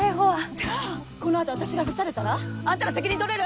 じゃあこの後私が刺されたらあんたら責任取れる？